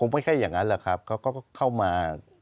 ไม่ใช่อย่างนั้นแหละครับเขาก็เข้ามา